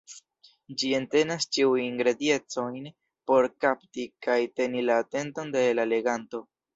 Ĝi entenas ĉiujn ingrediencojn por kapti kaj teni la atenton de la leganto.